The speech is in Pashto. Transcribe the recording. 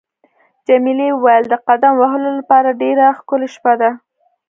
جميلې وويل: د قدم وهلو لپاره ډېره ښکلې شپه ده.